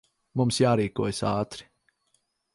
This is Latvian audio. Mums jārīkojas ātri.